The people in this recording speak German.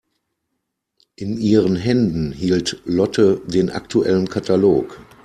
In ihren Händen hielt Lotte den aktuellen Katalog.